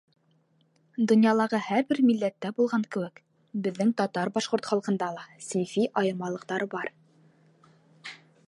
Донъялағы һәр бер милләттә булған кеүек, беҙҙең татар-башҡорт халҡында ла синфи айырмалыҡтар бар.